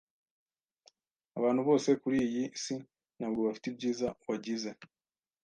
Abantu bose kuri iyi si ntabwo bafite ibyiza wagize.